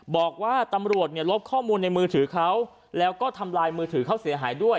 บอกว่าตำรวจเนี่ยลบข้อมูลในมือถือเขาแล้วก็ทำลายมือถือเขาเสียหายด้วย